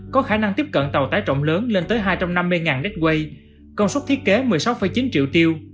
có khả năng tiếp cận tàu tái trọng lớn lên tới hai trăm năm mươi đếch quây công suất thiết kế một mươi sáu chín triệu tiêu